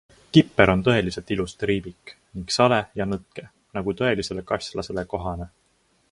Kipper on tõeliselt ilus triibik ning sale ja nõtke, nagu tõelisele kaslasele kohane!